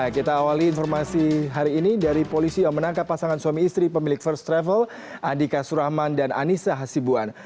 kita awali informasi hari ini dari polisi yang menangkap pasangan suami istri pemilik first travel andika surahman dan anissa hasibuan